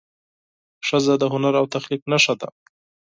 ښځه د هنر او تخلیق نښه ده.